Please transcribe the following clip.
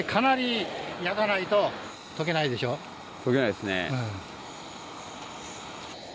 溶けないですね。